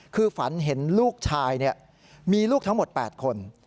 คือฝันเห็นลูกชายมีลูกทั้งหมด๘คน